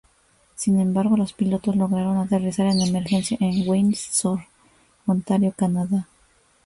Sin embargo, los pilotos lograron aterrizar en emergencia en Windsor, Ontario, Canadá.